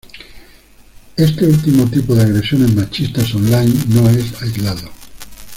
Este último tipo de agresiones machistas online no es aislado